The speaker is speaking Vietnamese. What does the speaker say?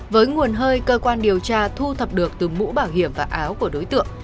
với nguồn hơi cơ quan điều tra thu thập được từ mũ bảo hiểm và áo của đối tượng